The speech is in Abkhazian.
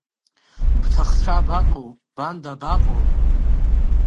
Бҭахцәа абаҟоу, бан дабаҟоу?